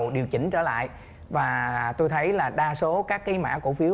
bắt đầu điều chỉnh trở lại và tôi thấy là đa số các cái mã cổ phiếu